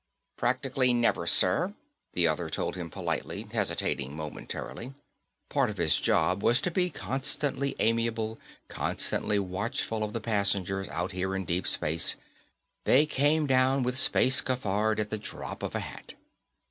"Practically never, sir," the other told him politely, hesitating momentarily. Part of the job was to be constantly amiable, constantly watchful of the passengers out here in deep space they came down with space cafard at the drop of a hat.